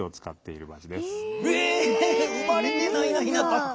生まれてないなひなた。